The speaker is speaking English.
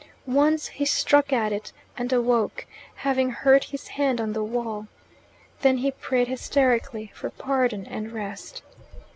Once he struck at it, and awoke, having hurt his hand on the wall. Then he prayed hysterically for pardon and rest.